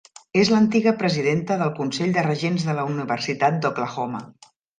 És l'antiga presidenta del consell de regents de la Universitat d'Oklahoma.